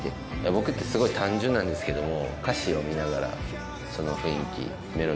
僕ってすごい単純なんですけども。